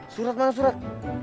surat mana surat